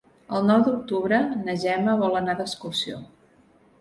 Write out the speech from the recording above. El nou d'octubre na Gemma vol anar d'excursió.